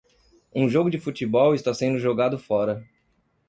Um jogo de futebol está sendo jogado fora.